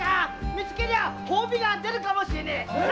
見つけりゃ褒美が出るかもしれない。